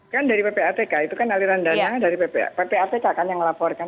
kan dari ppatk itu kan aliran dananya dari ppatk kan yang melaporkan